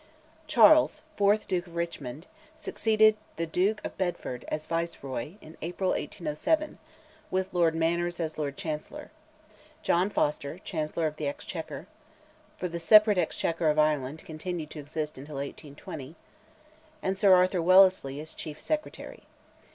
Charles, fourth Duke of Richmond, succeeded the Duke of Bedford, as Viceroy, in April, 1807, with Lord Manners as Lord Chancellor, John Foster, Chancellor of the Exchequer—for the separate exchequer of Ireland continued to exist till 1820—and Sir Arthur Wellesley as Chief Secretary.